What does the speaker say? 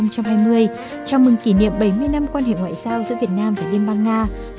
chào mừng kỷ niệm bảy mươi năm quan hệ ngoại giao giữa việt nam và liên bang nga một nghìn chín trăm năm mươi hai nghìn hai mươi